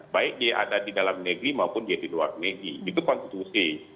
baik dia ada di dalam negeri maupun dia di luar negeri itu konstitusi